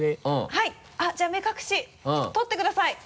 はいじゃあ目隠し取ってください！